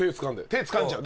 手つかんじゃう。